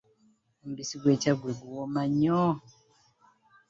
Omubisi gw'e Kyaggwe guwooma nnyo.